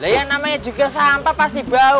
yang namanya juga sampah pasti bau